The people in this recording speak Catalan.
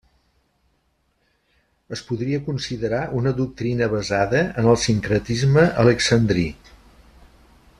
Es podria considerar una doctrina basada en el sincretisme alexandrí.